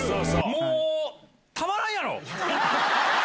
もう、たまらんやろ？